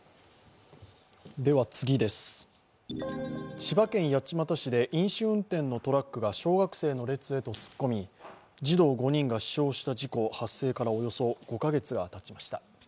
千葉県八街市で飲酒運転のトラックが小学生の列へと突っ込み児童５人が死傷した事故、発生からおよそ５カ月がたちました。